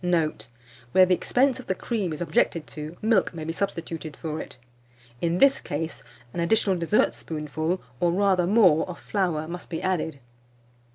Note. Where the expense of the cream is objected to, milk may be substituted for it. In this case, an additional dessertspoonful, or rather more, of flour must be added.